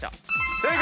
正解。